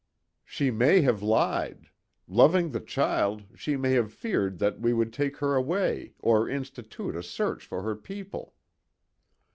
"She may have lied. Loving the child, she may have feared that we would take her away, or institute a search for her people."